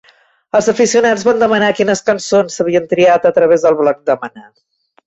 Els aficionats van demanar quines cançons s'havien triat a través del bloc de Mana.